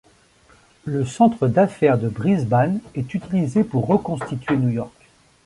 Le centre d'affaires de Brisbane est utilisé pour reconstituer New York.